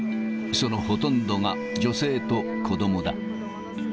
そのほとんどが女性と子どもだ。